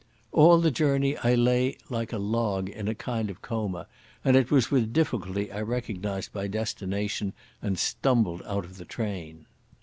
All the journey I lay like a log in a kind of coma, and it was with difficulty that I recognised my destination, and stumbled out of the train.